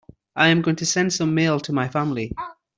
I am going to send some mail to my family.